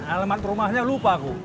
aleman rumahnya lupa aku